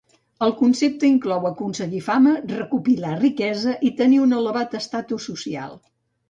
El concepte inclou aconseguir fama, recopilar riquesa i tenir un elevat estatus social.